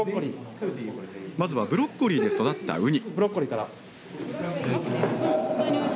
まずはブロッコリーで育ったうに。